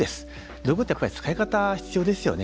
道具って使い方必要ですよね。